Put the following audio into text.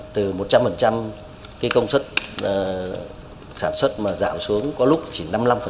từ một trăm linh cái công suất sản xuất mà giảm xuống có lúc chỉ năm mươi năm